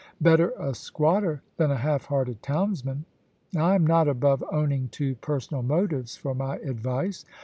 Better a squatter than a half hearted townsman. I am not above owning to personal motives for my advice.